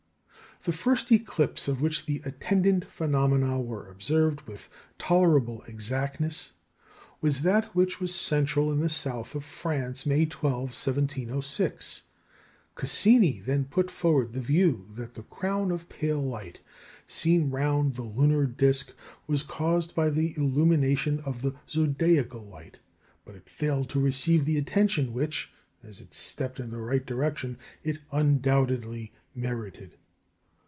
The first eclipse of which the attendant phenomena were observed with tolerable exactness was that which was central in the South of France, May 12, 1706. Cassini then put forward the view that the "crown of pale light" seen round the lunar disc was caused by the illumination of the zodiacal light; but it failed to receive the attention which, as a step in the right direction, it undoubtedly merited.